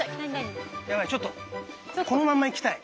やばいちょっとこのまま行きたい。